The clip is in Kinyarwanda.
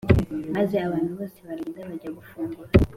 Maze abantu bose baragenda bajya gufungura